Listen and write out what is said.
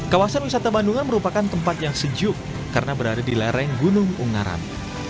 kawasan wisata bandungan merupakan tempat yang sejuk karena berada di lereng gunung ungaran